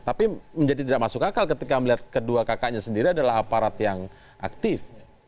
tapi menjadi tidak masuk akal ketika melihat kedua kakaknya sendiri adalah aparat yang aktif